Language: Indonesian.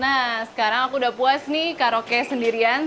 nah sekarang aku udah puas nih karaoke sendirian